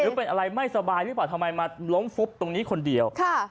เป็นอะไรไม่สบายหรือเปล่าทำไมมาล้มฟุบตรงนี้คนเดียว